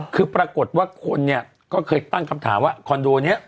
คือปรากฏว่าคนเนี่ยก็เคยตั้งคำถามว่าคอนโดนี้